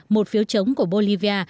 một phiếu chống của bolivia